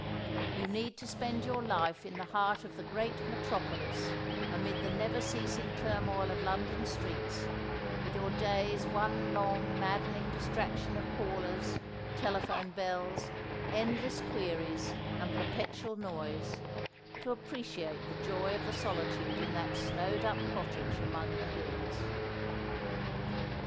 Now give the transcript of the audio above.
You need to spend your life in the heart of the great metropolis, amid the never ceasing turmoil of London streets, with your days one long maddening distraction of callers, telephone bells, endless queries and perpetual noise, to appreciate the joy of the solitude in that snowed up cottage among the hills.